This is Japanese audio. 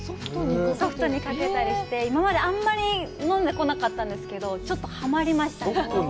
ソフトにかけたりして、今まであんまり飲んでこなかったんですけど、ちょっとはまりました。